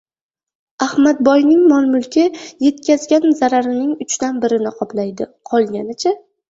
«Ahmadboy»ning mol-mulki yetkazgan zararining uchdan birini qoplaydi. Qolgani-chi?